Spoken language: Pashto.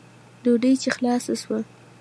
ډوډۍ چې خلاصه سوه.